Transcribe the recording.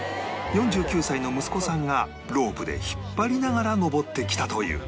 ４９歳の息子さんがロープで引っ張りながら登ってきたという